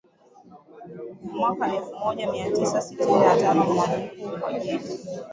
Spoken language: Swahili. mwaka elfu moja mia tisa sitini na tano mkuu wa jeshi